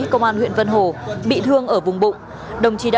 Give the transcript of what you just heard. công an huyện vân hồ bị thương ở vùng bụng